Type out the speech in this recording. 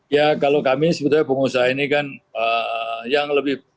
ya kalau kami sebetulnya pengusaha ini kan yang lebih